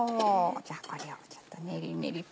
じゃあこれをちょっと練り練りと。